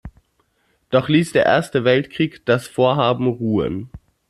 Doch ließ der Erste Weltkrieg das Vorhaben ruhen.